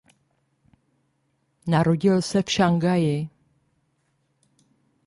Narodil se v Šanghaji.